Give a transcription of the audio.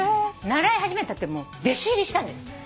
習い始めたっていうより弟子入りしたんです。